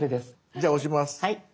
じゃあ押します。